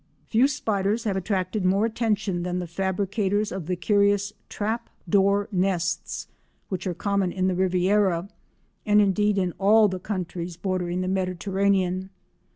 Few spiders have attracted more attention than the fabricators of the curious "trap door" nests, which are common in the Riviera, and indeed in all the countries bordering the Mediterranean.